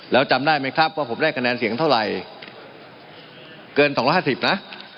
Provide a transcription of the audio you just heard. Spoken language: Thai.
แล้วจำได้ไหมครับว่าผมได้คะแนนเสียงเท่าไหร่เกิน๒๕๐นะ